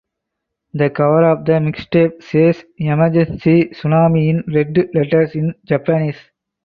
The cover of the mixtape says "emergency tsunami" in red letters in Japanese.